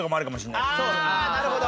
なるほど。